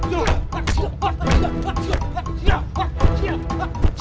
jauh jauh jauh